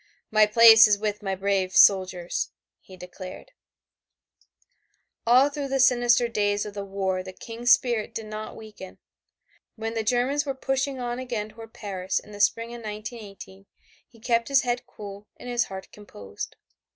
"My place is with my brave soldiers," he declared. All through the sinister days of the war the King's spirit did not weaken. When the Germans were pushing on again toward Paris in the spring of 1918, he kept his head cool and his heart composed.